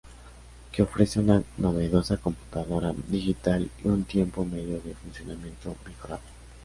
Que ofrece una novedosa computadora digital y un tiempo medio de funcionamiento mejorado.